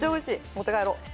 持って帰ろう。